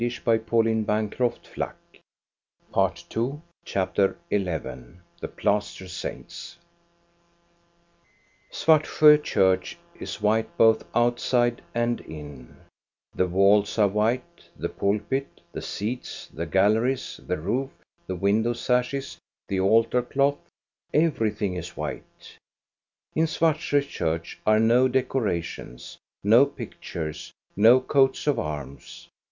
THE PLASTER SAINTS 329 CHAPTER XI THE PLASTER SAINTS SVARTSJO church is white both outside and in : the walls are white, the pulpit, the seats, the galleries, the roof, the window sashes, the altar cloth, — everything is white. In Svartsjo church are no ' decorations, no pictures, no coats of arms.